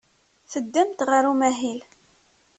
Teddamt ɣer umahil.